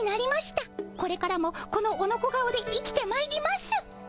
これからもこのオノコ顔で生きてまいります。